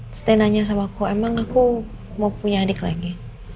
terus dia nanya sama aku emang aku mau punya adik lagi